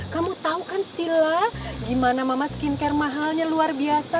kamu tau kan silla gimana mama skincare mahalnya luar biasa